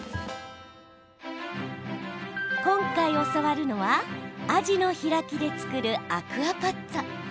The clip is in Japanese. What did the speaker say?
今回、教わるのはあじの開きで作るアクアパッツァ。